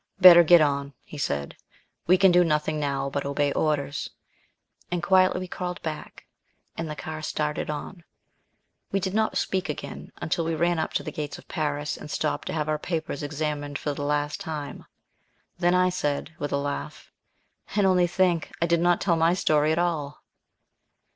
"Better get on," he said. "We can do nothing now but obey orders," and quietly we crawled back and the car started on. We did not speak again until we ran up to the gates of Paris, and stopped to have our papers examined for the last time. Then I said, with a laugh: "And only think! I did not tell my story at all!"